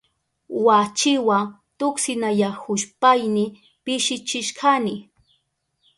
Wachiwa tuksinayahushpayni pishichishkani.